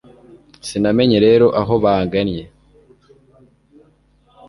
sinamenye rero aho bagannye